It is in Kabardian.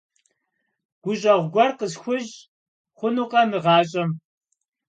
ГущӀэгъу гуэр къысхуищӀ хъунукъэ мы гъащӀэм?